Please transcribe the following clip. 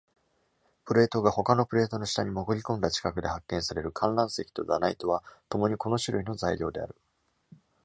プレートが他のプレートの下にもぐり込んだ地殻で発見される橄欖石とダナイトはともに、この種類の材料である。